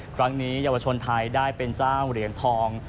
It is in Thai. เยาวชนไทยได้เป็นเจ้าเหรียญทอง